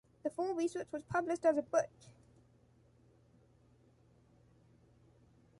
The full research was published as a book.